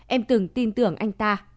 em từng tin tưởng anh ta